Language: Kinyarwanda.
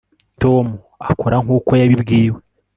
tom akora nkuko yabibwiwe